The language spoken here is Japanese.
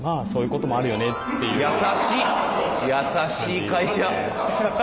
優しい会社。